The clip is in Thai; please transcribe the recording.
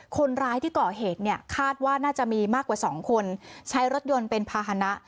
คนร้ายที่ก่อเหตุเนี่ยคาดว่าน่าจะมีมากกว่า๒คนใช้รถยนต์เป็นภาษณะ